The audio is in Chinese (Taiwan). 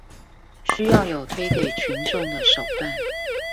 需要有推給群眾的手段